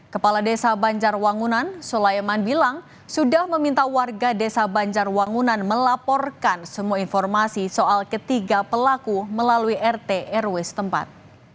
kepala desa banjarwangunan sulaiman bilang sudah meminta warga desa banjarwangunan melaporkan semua informasi soal ketiga pelaku melalui rt rw setempat